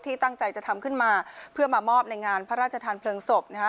ตั้งใจจะทำขึ้นมาเพื่อมามอบในงานพระราชทานเพลิงศพนะฮะ